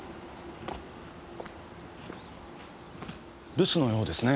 留守のようですね。